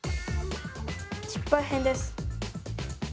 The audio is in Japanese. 失敗編です。